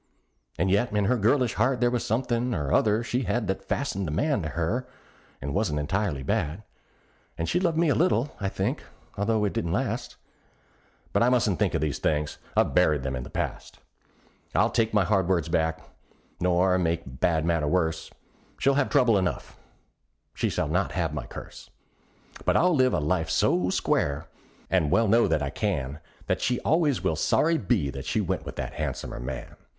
And yet in her girlish heart there was somethin' or other she had That fastened a man to her, and wasn't entirely bad; And she loved me a little, I think, although it didn't last; But I mustn't think of these things I've buried 'em in the past. I'll take my hard words back, nor make a bad matter worse; She'll have trouble enough; she shall not have my curse; But I'll live a life so square and I well know that I can That she always will sorry be that she went with that han'somer man.